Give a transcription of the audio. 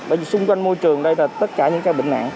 bởi vì xung quanh môi trường đây là tất cả những cái bệnh nạn